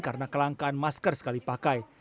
karena kelangkaan masker sekali pakai